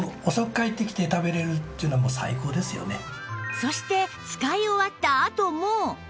そして使い終わったあとも